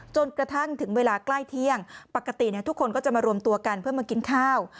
จนกระทั่งถึงเวลาใกล้เที่ยงปกติทุกคนก็จะมารวมตัวกันเพื่อมากินข้าว